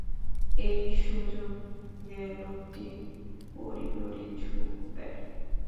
এই সুযোগে লোকটি পড়ি মরি ছুট দেয়।